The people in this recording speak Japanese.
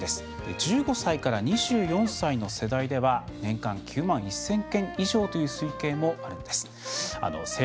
１５歳から２４歳の世代では年間９万１０００件以上という推計もあるんです。